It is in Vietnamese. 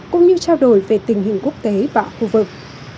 cũng như trao đổi về tình hình quốc tế và khu vực